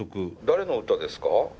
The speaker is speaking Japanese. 誰の歌ですか？